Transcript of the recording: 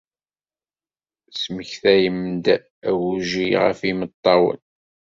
Tesmektayem-d agujil ɣef imeṭṭawen.